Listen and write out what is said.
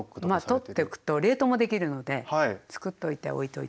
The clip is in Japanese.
まあ取っておくと冷凍もできるのでつくっといておいといたり。